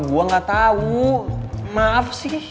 gue gak tau maaf sih